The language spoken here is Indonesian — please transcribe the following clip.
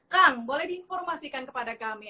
kang boleh diinformasikan kepada kami